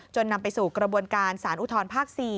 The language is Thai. นำไปสู่กระบวนการสารอุทธรภาค๔